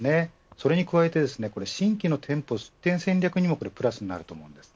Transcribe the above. それに加えて新規の店舗出店戦略にもプラスになります。